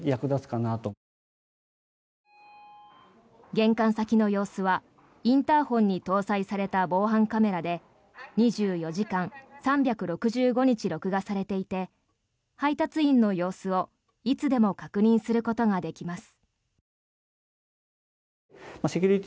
玄関先の様子はインターホンに搭載された防犯カメラで２４時間３６５日録画されていて配達員の様子をいつでも確認することができます。